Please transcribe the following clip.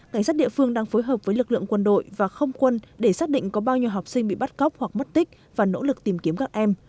cảnh sát địa phương đang phối hợp với lực lượng quân đội và không quân để xác định có bao nhiêu học sinh bị bắt cóc hoặc mất tích và nỗ lực tìm kiếm các em